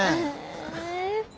え。